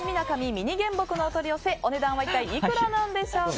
ミニ原木のお取り寄せお値段は一体いくらなんでしょうか。